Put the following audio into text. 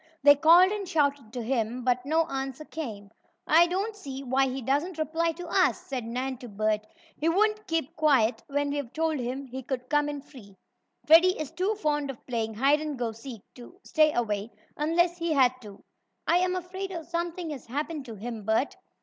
They called and shouted to him, but no answer came. "I don't see why he doesn't reply to us," said Nan to Bert. "He wouldn't keep quiet when we've told him he could come in free. Freddie is too fond of playing hide and go seek to stay away, unless he had to. I am afraid something has happened to him, Bert."